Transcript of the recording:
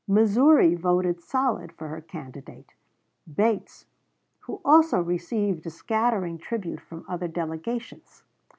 Missouri voted solid for her candidate, Bates, who also received a scattering tribute from other delegations.